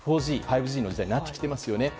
４Ｇ、５Ｇの時代になってきてますよね。